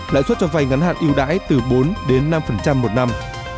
lãi suất trở về ngắn hạn ưu đãi từ bốn năm một năm